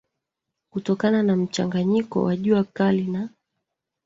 kutokana na mchanganyiko wa jua kali na